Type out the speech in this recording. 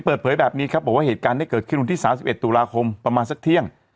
เปิดเผยแบบนี้ครับบอกว่าเหตุการณ์นี้เกิดขึ้นวันที่๓๑ตุลาคมประมาณสักเที่ยง